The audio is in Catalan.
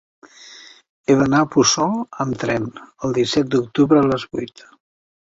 He d'anar a Puçol amb tren el disset d'octubre a les vuit.